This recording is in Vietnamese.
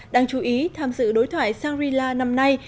đáng chú ý tham dự đối thoại shangri la năm nay